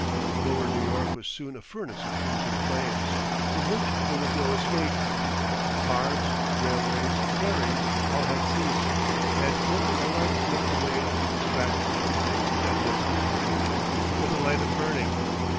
Lower New York was soon a furnace of crimson flames, from which there was no escape. Cars, railways, ferries, all had ceased, and never a light lit the way of the distracted fugitives in that dusky confusion but the light of burning.